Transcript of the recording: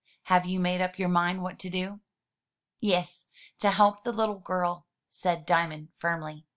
Have you made up your mind what to do?" "Yes; to help the Uttle girl," said Diamond firmly.